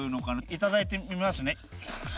いただいてみますね。